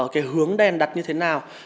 cái hướng đèn đặt như thế nào